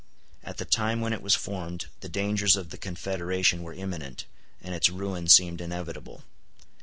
At the time when it was formed the dangers of the Confederation were imminent, and its ruin seemed inevitable.